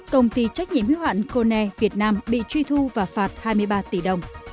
công ty trách nhiệm hữu hạn cone việt nam bị truy thu và phạt hai mươi ba tỷ đồng